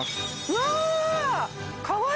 うわ！